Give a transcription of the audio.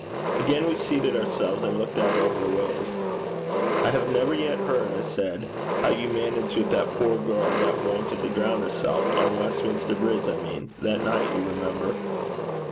Again we seated ourselves and looked out over the waves. 'I have never yet heard,' I said, 'how you managed with that poor girl that wanted to drown herself on Westminster Bridge, I mean that night, you remember.'